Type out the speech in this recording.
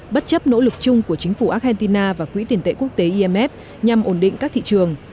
bất chấp nỗ lực chung của chính phủ argentina và quỹ tiền tệ quốc tế imf nhằm ổn định các thị trường